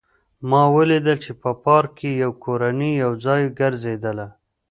ما ولیدل چې په پارک کې یوه کورنۍ یو ځای ګرځېدله